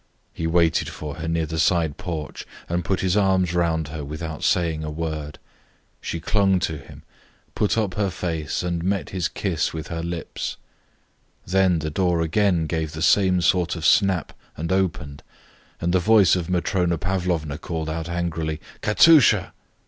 He waited for her near the side porch and put his arms round her without saying a word. She clung to him, put up her face, and met his kiss with her lips. Then the door again gave the same sort of snap and opened, and the voice of Matrona Pavlovna called out angrily, "Katusha!"